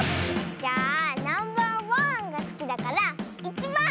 じゃあナンバーワンがすきだから１ばん！